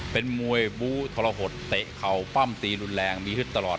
เป็นมวยบู้ทรหดเตะเข่าปั้มตีรุนแรงมีฮึดตลอด